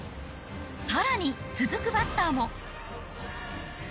さらに続くバッターも。